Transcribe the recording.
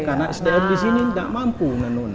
karena sdm disini tidak mampu nenun